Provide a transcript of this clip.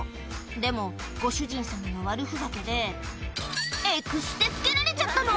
「でもご主人様の悪ふざけでエクステつけられちゃったの」